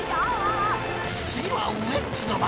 ［次はウエンツの番。